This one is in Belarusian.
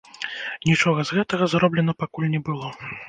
Нічога з гэтага зроблена пакуль не было.